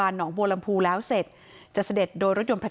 ท่านผู้ชมครับ